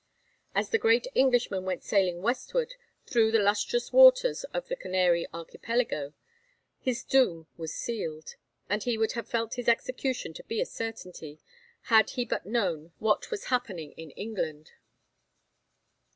As the great Englishman went sailing westward through the lustrous waters of the Canary archipelago, his doom was sealed, and he would have felt his execution to be a certainty, had he but known what was happening in England.